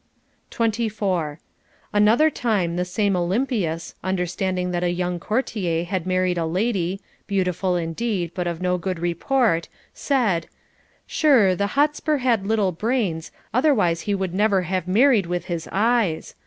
CONJUGAL PRECEPTS. 495 24. Another time the same Olympias, understanding that a young courtier had married a lady, beautiful indeed, but of no good report, said : Sure, the Hotspur had little brains, otherwise he would never have married with his eyes.